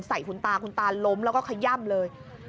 ใส่คุณตาคุณตาล้มแล้วก็ขย่ำเลย